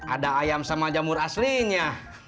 ada ayam sama jamur aslinya